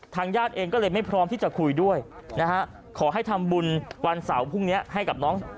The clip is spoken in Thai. ญาติเองก็เลยไม่พร้อมที่จะคุยด้วยนะฮะขอให้ทำบุญวันเสาร์พรุ่งนี้ให้กับน้อง